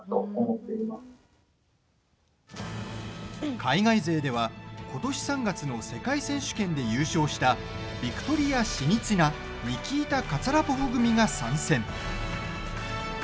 海外勢では、ことし３月の世界選手権で優勝したビクトリア・シニツィナニキータ・カツァラポフ組が参戦。